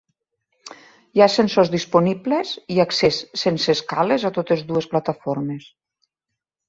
Hi ha ascensors disponibles i accés sense escales a totes dues plataformes.